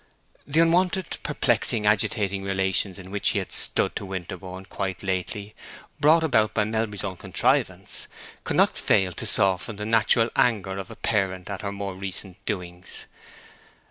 The unwonted, perplexing, agitating relations in which she had stood to Winterborne quite lately—brought about by Melbury's own contrivance—could not fail to soften the natural anger of a parent at her more recent doings.